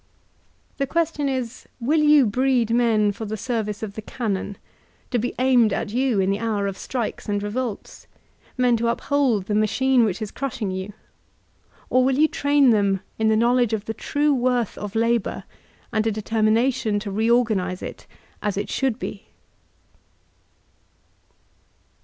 The question is, Will j<m breed men for the service of the Cannon, to be aimed at you in the hour of Strikes and Revolts, men to uphold the machine which b crushing you, or will you train them in the knowledge of the true worth of Labor and a determination to reorganize it as HshouMbe?